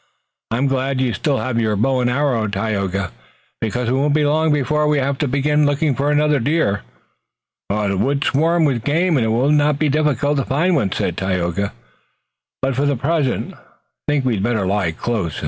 I'm glad you still have your bow and arrows, Tayoga, because it won't be long before we'll have to begin looking for another deer." "The woods swarm with game. It will not be difficult to find one," said Tayoga. "But for the present I think we'd better lie close.